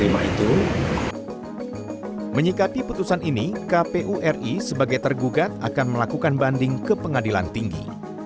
menyikapi putusan ini kpu ri sebagai tergugat akan melakukan banding ke pengadilan tinggi